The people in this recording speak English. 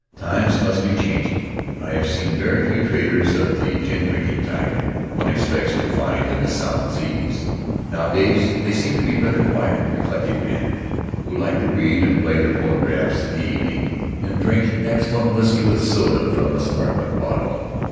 Times must be changing — I have seen very few traders of the gin drinking type one expects to find in the South Seas; nowadays they seem to be rather quiet, reflective men, who like to read and play their phonographs in the evening, and drink excellent 8 [ 101 ] Faery Lands of the South Seas whisky with soda from a sparklet bottle.